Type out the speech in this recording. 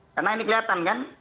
karena ini kelihatan kan